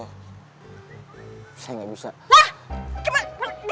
maaf tante sebelumnya tante